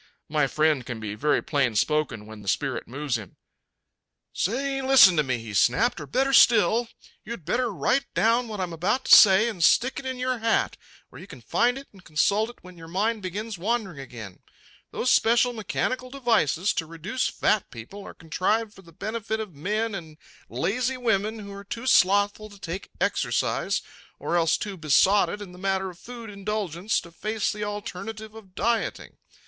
My friend can be very plain spoken when the spirit moves him. [Illustration: "YOU ARE NOW REGISTERING THE PRELIMINARY WARNINGS " Page 87] "Say, listen to me," he snapped, "or better still, you'd better write down what I'm about to say and stick it in your hat where you can find it and consult it when your mind begins wandering again. Those special mechanical devices to reduce fat people are contrived for the benefit of men and lazy women who are too slothful to take exercise or else too besotted in the matter of food indulgence to face the alternative of dieting.